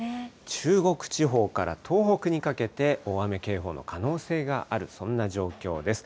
中国地方から東北にかけて大雨警報の可能性がある、そんな状況です。